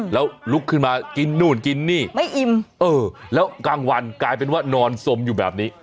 แล้วลุกขึ้นมากินนู่นกินนี่ไม่อิ่มเออแล้วกลางวันกลายเป็นว่านอนสมอยู่แบบนี้